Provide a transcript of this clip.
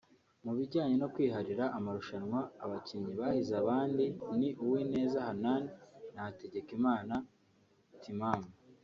Mu bijyanye no kwiharira amarushanwa abakinnyi bahize abandi ni Uwineza Hanani na Hategekimana Timamu